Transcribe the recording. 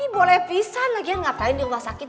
boleh pisan lagian ngapain di rumah sakit